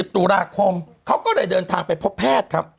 ตุลาคมเขาก็เลยเดินทางไปพบแพทย์ครับ